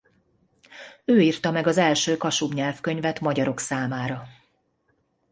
Ő írta meg az első kasub nyelvkönyvet magyarok számára.